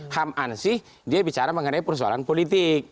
ham ansih dia bicara mengenai persoalan politik